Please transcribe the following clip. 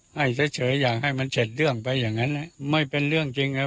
ให้เฉยอย่าให้มันเสร็จเรื่องไปอย่างนั้นไม่เป็นเรื่องจริงเลย